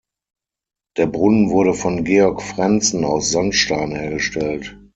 Der Brunnen wurde von Georg Frentzen aus Sandstein hergestellt.